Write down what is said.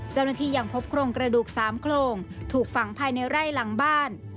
เจ้าหน้าที่ยังพบโครงกระดูกสามโครงถูกฝังภายในไร่หลังบ้าน